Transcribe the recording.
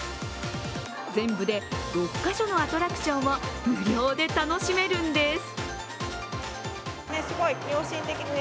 全部で６カ所のアトラクションを無料で楽しめるんです。